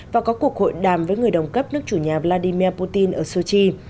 và có cuộc hội đàm với người đồng cấp nước chủ nhà vladimir putin ở sochi